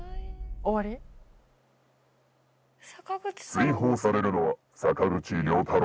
追放されるのは坂口涼太郎。